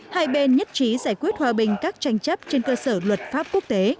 hai bên nhất trí giải quyết hòa bình các tranh chấp trên cơ sở luật pháp quốc tế